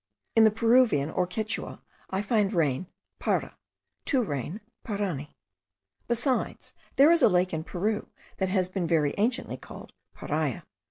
In the Peruvian, or Quichua, I find rain, para; to rain, parani. Besides, there is a lake in Peru that has been very anciently called Paria.